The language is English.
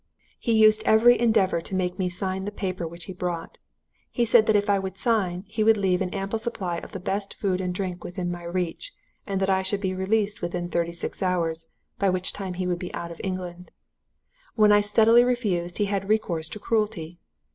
"He used every endeavour to make me sign the paper which he brought. He said that if I would sign, he would leave an ample supply of the best food and drink within my reach, and that I should be released within thirty six hours, by which time he would be out of England. When I steadily refused he had recourse to cruelty.